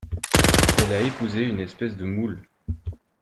Elle a épousé une espèce de moule !…